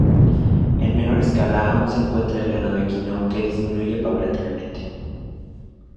En menor escala aún se encuentra el ganado equino, que disminuye paulatinamente.